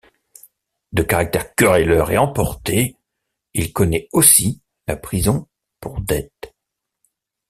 De caractère querelleur et emporté, il connait aussi la prison pour dettes.